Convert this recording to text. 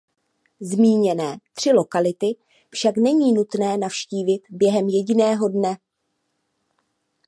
Zmíněné tři lokality však není nutné navštívit během jediného dne.